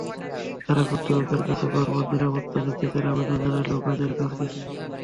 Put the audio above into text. তাঁরা কর্তৃপক্ষের কাছে বারবার নিরাপত্তা নিশ্চিতের আবেদন জানালেও কাজের কাজ কিছুই হয়নি।